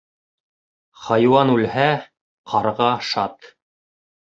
Хайуан үлһә, ҡарға шат